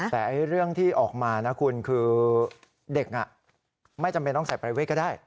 แต่เรื่องที่ออกมานะคุณคือเด็กไม่จำเป็นต้องใส่ประเวทก็ได้